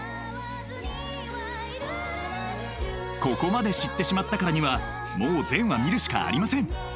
ここまで知ってしまったからにはもう全話見るしかありません。